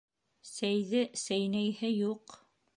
Сәйҙе сәйнәйһе юҡ.